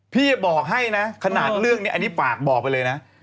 พี่บอกให้นะขนาดเรื่องนี้อันนี้ฝากบอกไปเลยนะ